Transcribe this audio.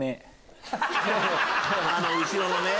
あの後ろのね。